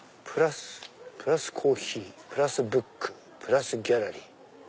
プラスコーヒープラスブックプラスギャラリー？